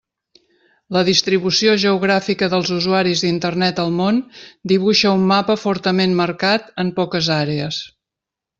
La distribució geogràfica dels usuaris d'Internet al món dibuixa un mapa fortament marcat en poques àrees.